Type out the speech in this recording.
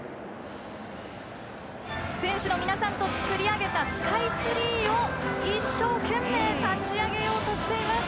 選手の皆さんと作り上げたスカイツリーを一生懸命立ち上げようとしています。